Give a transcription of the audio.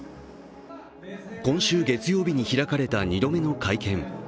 今週月曜日に開かれた２度目の会見。